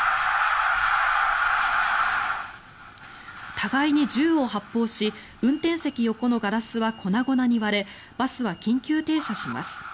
互いに銃を発砲し運転席横のガラスは粉々に割れバスは緊急停車します。